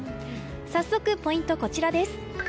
早速ポイントこちらです。